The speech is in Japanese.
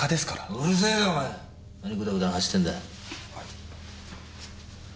うるせえよお前ら。何ぐだぐだ話してるんだ。